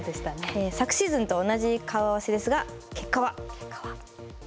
昨シーズンと同じ顔合わせですが結果は。